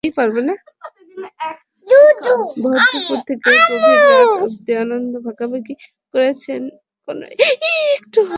ভরদুপুর থেকে গভীর রাত অবদি আনন্দ ভাগাভাগি করেছেন, কোনো টু-শব্দও হয়নি।